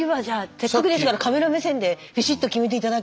せっかくですからカメラ目線でビシッと決めて頂ければ。